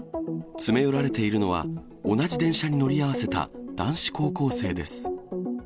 詰め寄られているのは、同じ電車に乗り合わせた男子高校生です。